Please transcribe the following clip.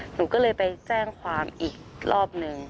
หนูก็เลยไปแจ้งความอีกรอบหนึ่ง